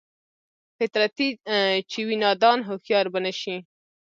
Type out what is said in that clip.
فطرتي چې وي نادان هوښيار به نشي